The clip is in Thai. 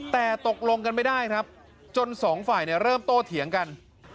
แต่ตกลงกันไม่ได้ครับจนสองฝ่ายเริ่มโตเถียงกัน